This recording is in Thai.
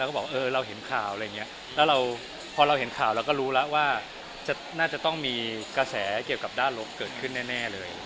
ก็บอกเออเราเห็นข่าวอะไรอย่างเงี้ยแล้วเราพอเราเห็นข่าวเราก็รู้แล้วว่าน่าจะต้องมีกระแสเกี่ยวกับด้านลบเกิดขึ้นแน่เลย